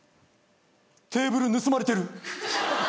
テーブル盗まれてる！